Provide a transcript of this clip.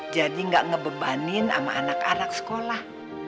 jadi gak ngebebanin sama anak anak sekolah